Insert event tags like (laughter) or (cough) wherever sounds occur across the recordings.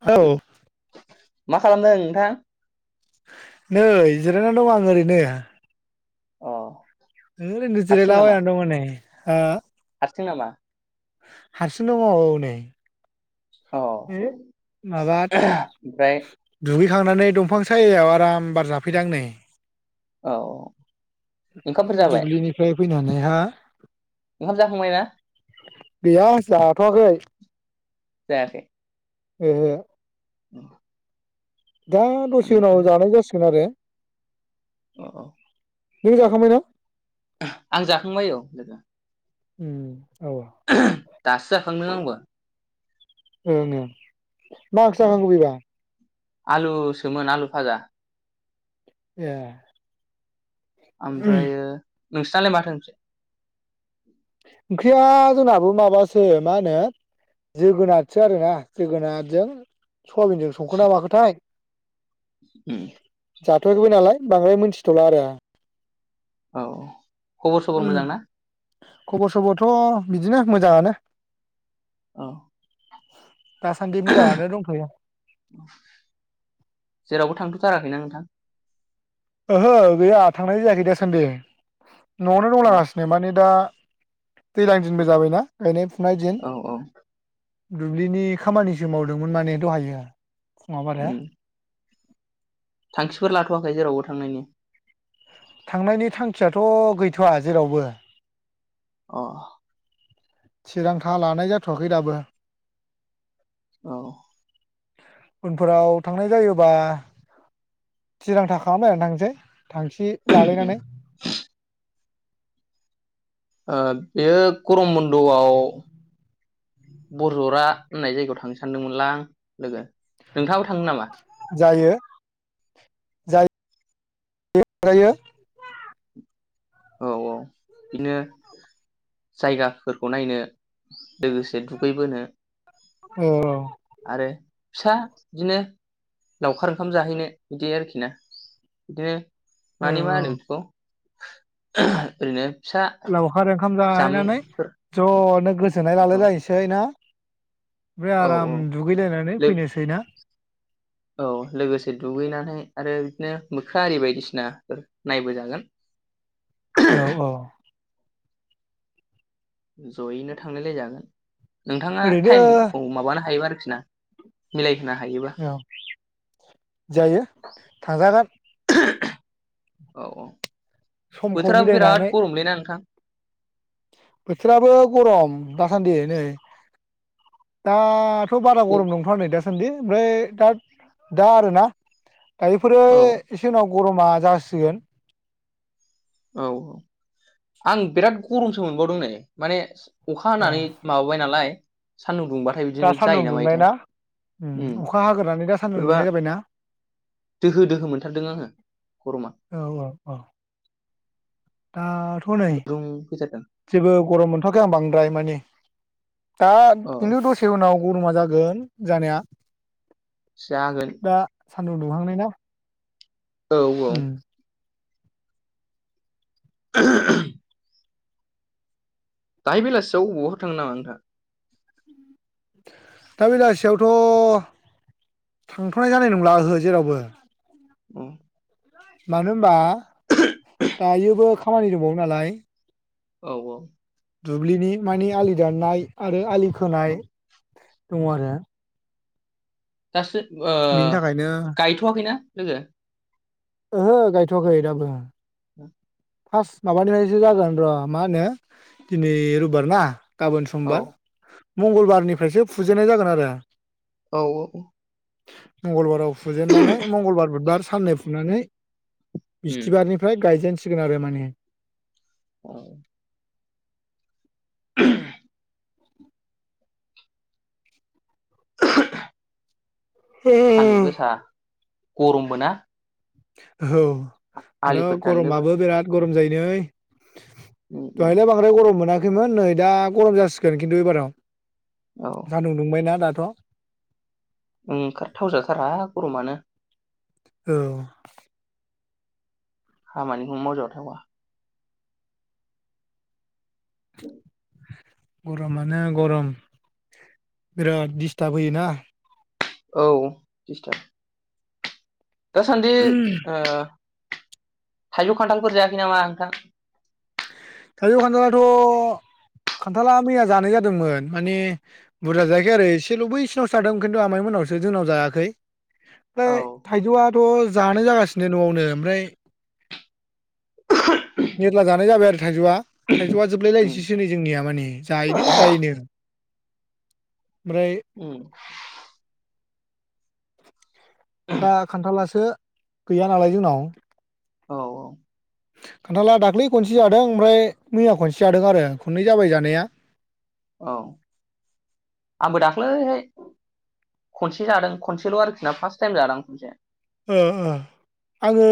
औ मा खालामदों नोंथां नै जिरायनानै दं आं ओरैनो अ ओ ओरैनो हारसिं जिरायला बायना दं नै हो सिं नामा हारसि दङ औ नै अ ए ओमफ्राय माबा दुगै खांनानै दंफां सायायाव आराम बार जाफैदां नै औ ओंखामफोर जाबाय दुबलिनिफ्राय फैनानै हा ओंखाम जाखांबाय ना गैया जाथ'वाखै जायाखै ओहो ओं दा दसे उनाव जानाय जासिगोन आरो औ नों जाखांबाय ना? आं जाखांबाय औ लोगो उम औ दासो जाखांदों आंबौ (inaudible) ए नो‌ मा ओंख्रि औ जाखांखो‌ बेबा आलुसोमोन आलु फाजा ए ओमफ्रायो नोंस्लालाय माथों ओंख्रि? ओंख्रिया जोंनाबो माबासो मा होनो जोगोनारसो आरोना जोगोनारजों सयाबिनजों संखो ना माखोथाय उम जाथआखैबो नालाय बांद्राय मोनथिथला आरो आ औ खबर सबर मोजां ना? खबर सबरथ बिदिनो मोजांङानो औ (inaudible) मोजाङानो दंथ'यो जेरावबो थांथथारा खैना नोंथां ओहो गैया थांनाय जायाखै दासान्दि नआवनो अ दंलागासिनो माने दा दैज्लां दिनबो जाबायना गायनाय फुनाय दिन औ औ दुब्लिनि खामानिसो मावदोंमोन माने दहायो। फुङाव आरो उम थांखिफोर लाथवाखै जेरावबो थांनायनि? थांनायनि थांखियाथ गैथवा जेरावबो। अ थिरांथा लानाय जाथवाखै दाबो। औ उनफोराव थांनाय जायोबा थिरांथा खालामलायनानै थांनोसै। थांखि उम लालायनानै ओ बेयो गरम बन्दआव बरजरा होननाय जायगायाव थांनो सानदोंमोनलां लोगो। नोंथाङाबो थांनो नामा (inaudible) जायो जायो। औ औ बिदिनो जायगाफोरखौ नायनो लोगोसे दुगैबोनो औ आरो फिसा बिदिनो लावखार ओंखाम जाहैनो बिदि आरोखि ना बिदिनो औ मानि औ मा औ होनो बिदिखौ? (unintelligible) ओरैनो लावखार ओंखाम जाहैनानै जामुंफोर ज'नो गोसो गोजोनाय औ लालायलायसै ना ना ओमफाय औ औ आराम दुगैलायनानै लो फैनोसै ना? औ लोगोसे दुगैनानै आरो बिदिनो मोख्रा आरि बायदिसिनाफोर नायबोजागोन। औ औ ज'यैनो थांनायलाय जागोन। नोंथाङा ओरैनो टाइमखौ माबानो हायोबा आरो खि ना मिलाय औ जायो थांजागोन (unintelligible) औ औ समखौ बोथोराबो बिराद मिलायनानै गरमलै ना नोंथां? बोथोराबो गरम दासान्दि नै दा थ' बारा औ गरम नंथाया नै दासान्दि ओमफ्राय दा दा आरोना दायोफोरो औ एसे उनाव गर'मा जासिगोन। औ औ आं बिराद गरमसो मोनबावदों नै माने अखा ओ हानानै माबाबाय नालाय सान्दुं दुंबाथाय दा बिदिनो जायो सान्दुं दुंनाय मायोथाय ना उम अखा हाग्रोनानै दा सान्दुं बोरैबा दुंनाय जाबायना। दोहो दोहो मोनथारदों आङो गरमा दा थ' नै गुदुं फैथारदों जेबो गरम मोनथ'वाखै आं बांद्राय माने दा अ खिन्थु दसे उनाव गर'मा जागोन जानाया जागोन। न्दुं दुहांनाय ना। औ औ उम (inaudible) दाहाय बेलासियाव अबावबाफोर थाङो नामा नोंथां? दा बेलासियावथ' थांथ'नाय जानाय नंला ओहो जेरावबो। उम मानो होनबा दायोबो खामानि दंबावो नालाय औ औ दुब्लिनि मानि आलि दाननाय आरो आलि खोनाय औ दङ आरो दासो ओ बिनि थाखायनो गायथ'वाखै ना? (unintelligible) ओहो गायथ'वाखै दाबो (inaudible) फास्त माबानिफ्रायसो जागोन र' मा होनो दिनै रुबिबार ना गाबोन औ समबार मंगलबारनिफ्रायसो फुजेनाय जागोन आरो। औ औ औ मंगलबाराव फुजेननानै मंगलबार बुधबार साननै फुं फुनानै उम बिस्तिबारनिफ्राय गायजेन सिगोन आरो माने औ (inaudible) औ सान्दुं गोसा गरम बोना। औ दाथ' दाननोबो गरमाबो बिराद गरम जायो। नै उम उम दहायलाय बांद्राय गरम मोना खैमोन नै दा गरम जासिगोन खिन्थु एबाराव। औ सान्दुं दुंबायना दा थ ओंखारथाव जाथारा गरमानो औ खामानिखौ मावजा थावा। उम गरमानो गरम बिराद दिस्टाब होयोना। औ दिस्ताब। दासान्दि थाइजौ ओ। थाइजौ खान्थालफोर जायाखै नामा नोंथां। थाइजौ खान्थालाथ' खान्थाला मैया जानाय जादोंमोन माने बुरजा जायाखै आरो एसेल' बैसिनावसो जादों खिन्थु आमाइ मोननावसो जोंनाव जायाखै। फ्राय औ थायजौआ। थ' जानाय जागासिनो न'आवनो ओमफ्राय। मेनला जा जाबाय आरो थाइजौआ थाइजौआ उम जोबलायलायनोसैसो नै जोंनिया माने जायोनो जायोनो। आमफ्राय। उम दा खान्थालासो। गैया नालाय जोंनाव। औ औ। खान्थाला दाख्लै खनसे जादों आमफ्राय मैया खनसे जादों आरो खननै जाबाय जानाया। औ आंबो दाख्लैहाय खनसे जादों खनसेल' आरोखिना फार्स्ट टाइम जादोंआं खनसे। ओ ओ ओङो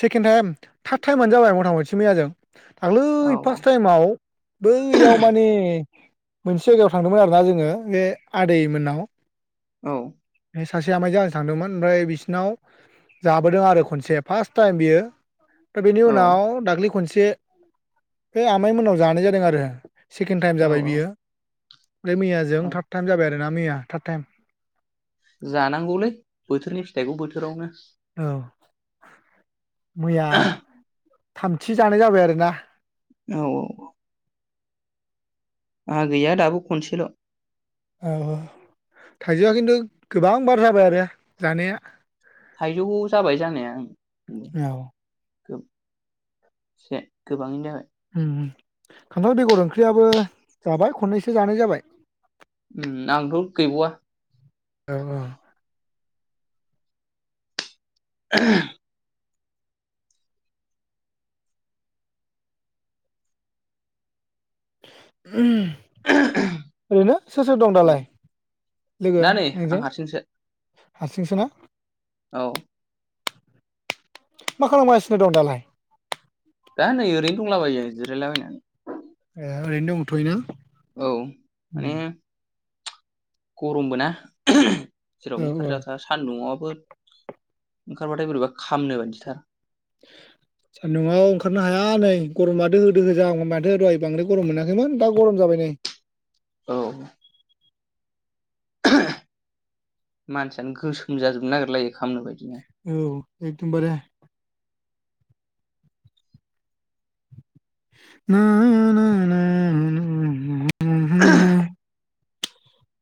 सेकेण्ड टाइम थार्द टाइम मोनानो जाबाय मथा मथि मैयाजों औ दाख्लैय फार्स्ट टाइमाव बैयाव माने मोनसे जायगायाव थांदोंमोन आरोना जोङो बे आदै मोननाव। औ। सासे आमायजों आंजों थांदोंमोन आमफ्राय बिसि बनाव जाबोदों आरो खनसे फार्स्ट टाइम बियो। दा बेनि औ उनाव दाख्लि खनसे। जे बे आमाइ मोननाव जानाय जादों आरो। सेकेण्ड टाइम औ जाबाय औ बियो। ओमफ्राय मैयाजों औ थार्ड टाइम जाबाय आरो। मैया थार्ड टाइम। जानांगौलै बोथोरनि फिथाइखौ बोथोरावनो। औ। मैया। थामथि जानाय जाबाय आरोना। औ औ। आंहा गैया दाबो खनसेल'। औ थाइजौआ खिन्थु गोबां बार जाबाय आरो जानाया। थाइजौ जाबाय जानाया। औ गोबाङैनो जाबाय। खान्थाल बेगर ओंख्रियाबो जाबाय खननैसो जानाय जाबाय। ओं आंथ' गैबावा (unintelligible) (unintelligible) ओरैनो सोर सोर दं आं दालाय लोगो दा नै आं नोंजों हारसिंसो हारसिंसोना? औ। मा खालामगासिनो दं दालाय? दा नै ओरैनो दंलाबायो जिरायलाबायनानै। ए ओरैनो दंथयो ना? औ माने गरमबो ना। औ जेरावबो औ ओंखारजाथारा सान्दुंआवबोथ ओंखारबाथाय बोरैबा खामनो बादिथार। सान्दुआव ओंखारनो हाया नै गरमा दोहो दोहो जाहां माथो दहाय बांद्राय गरम मोनाखैमोन दा गरम जाबाय नै। औ। मानसियानो गोसोम जाजोबनो नागिरलायो। खामनो बायदिनो औ एकदम बारे। (inaudible)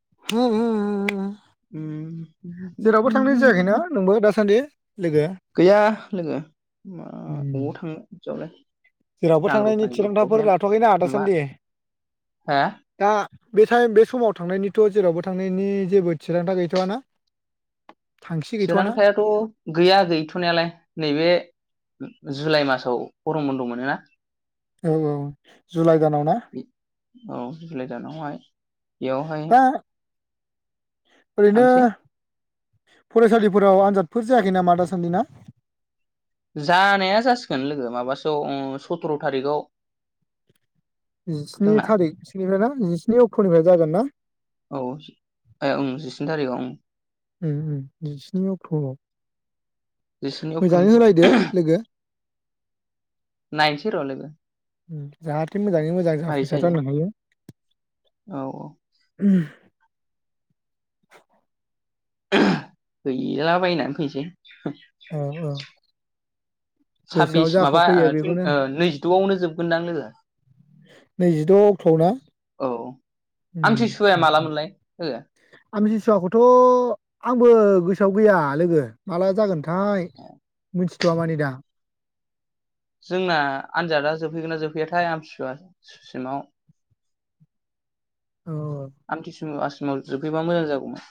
(unintelligible) (inaudible) जेरावबो थांनाय जायाखैना नोंबो दासान्दि लोगो गैया लोगो मा उम अबाव थांनो? (unintelligible) जेरावबो रां थांनायनि रुफानिबो थिरांथाफोर प्रब्लेम लाथवाखै ना माबा दासान्दि हा दा‌ बे टायम बे समाव थांनायनिथ जेरावबो थांनायनि जेबो थिरांथा गैथवा ना? सोरांथायाथ गैया गैथनायालाय नैबे जुलाइ मासाव गरम बन्द मोनोना? औ औ जुलाइ दानाव ना औ जुलाइ दानावहाय बेयावहाय दा ओरैनो थांसै फरायसालिफोराव आनजादफोर जायाखै नामा दासान्दि ना? जानाया जासिगोन लोगो माबासोआव ओ सथ्र थारिगाव। जिस्नि थारिख सोनिफ्राय ना जिस्नि अक्टनिफ्राय जागोन ना? औ ए ओं जिस्नि थारिखआव ओं उम उम जिस्नि अक्ट आव। जिस्नि मोजाङै अक्ट'निफ्राय होलायदो लोगो। नाइनसै र लोगो। उम जाहाथ थे मोजाङै मोजां मारै जाफुंसार जायो जानो हायो। औ औ। (unintelligible) हैला बायनानै फैनोसै। औ औ गोसोआव साबबिस जाख' माबा फैयो ओ बेखौनो थुइन नैजिदआवनो जोबगोनदां लोगो। नैजिद' अक्ट'आव ना। औ उम आमथिसुवाया माला मोनलाय हो? फसुवाखौथ' आंबो गोसोआव गैया लोगो माला जागोन थाय मोनथि थ'आ मानि दा जोंना आनजादा जोबहैगोन ना जोबहैयाथाय आमथिसुवा सिमाव। औ आमथि सु-आसु जोबहैबा मोजां जागौमोन।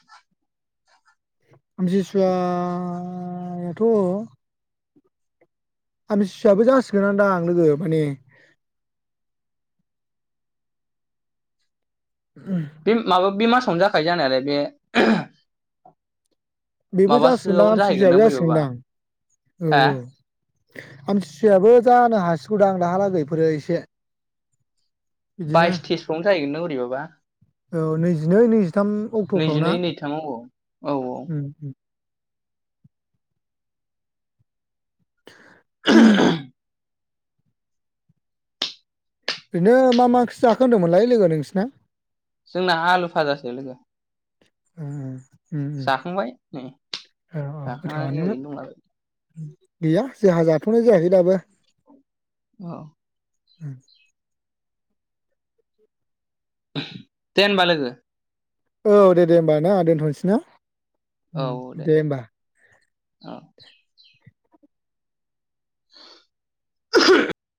आमथिसुवाथ'ओ आमथिसुवायाबो जासिगोन आदां आं लोगो माने बे माबा बे मास जाखायो जानायालाय बे बेबो माबासोआवनो जासिगोनदां सिुजुयो जाहैगोनदां बोरैबाबा जासिगोनदां औ हा औ। आमथिसुयाबो जानो हासिगौदां दाहालागैफोरो एसे। बिदिनो बाइस त्रिसबावनो जाहैगोन नों ओरैबाब बा औ नैजिनै नैजिथाम अक्ट'फ्राव नैजिनै ना नैथामाव औ औ औ ओम उम ओरैनो मा मा ओंख्रि जाखो होनदोंमोनलाय लोगो नोंसिना। जोंना आलु फाजासो लोगो। औ औ ओम ओम जाखांबाय नै औ औ जाखांनानै गोथावानोनो। ओरैनो दंलाबायो गैया जोंहा जाथ'नाय जायाखै दाबो। औ। उम देनहोनबा लोगो औ दे दे हबा ना दोनथ'नोसै ना। औ औ दे औ। (unintelligible)